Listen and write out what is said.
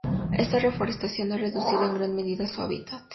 Esta reforestación ha reducido en gran medida su hábitat.